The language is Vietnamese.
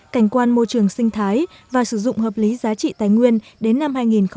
cảnh quan môi trường sinh thái và sử dụng hợp lý giá trị tài nguyên đến năm hai nghìn hai mươi